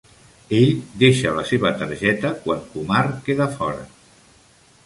Ell deixa la seva targeta quan Kumar queda fora.